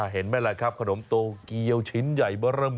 เห็นไหมล่ะครับขนมโตเกียวชิ้นใหญ่เบอร์เริ่ม